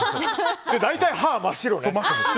大体歯が真っ白ね。